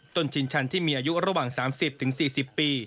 ชินชันที่มีอายุระหว่าง๓๐๔๐ปี